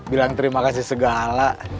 bilang terima kasih segala